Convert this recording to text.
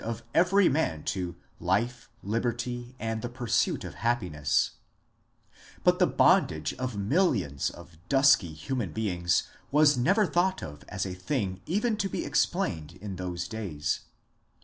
30 MONCURE DANIEL CONWAY of every man to ^^ life, liberty, and the pursuit of happiness ;" but the bondage of millions of dusky human beings was never thought of as a thing even to be explained in those days.